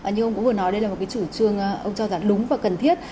như ông cũng vừa nói đây là một cái chủ trương ông cho rằng đúng và cần thiết